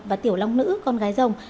và tiểu long nữ con gái rồng